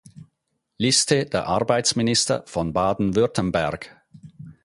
Liste der Arbeitsminister von Baden-Württemberg